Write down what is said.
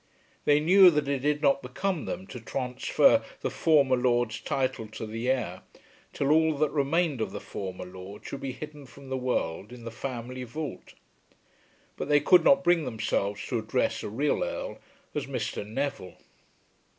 They knew that it did not become them to transfer the former lord's title to the heir till all that remained of the former lord should be hidden from the world in the family vault; but they could not bring themselves to address a real Earl as Mr. Neville.